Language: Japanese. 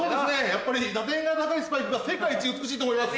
やっぱり打点が高いスパイクが世界一美しいと思います。